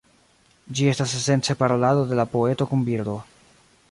Ĝi estas esence parolado de la poeto kun birdo.